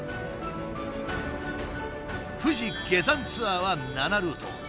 富士下山ツアーは７ルート。